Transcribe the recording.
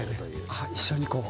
あっ一緒にこう。